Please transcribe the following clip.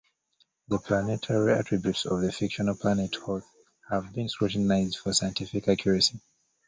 The planetary attributes of the fictional planet Hoth have been scrutinized for scientific accuracy.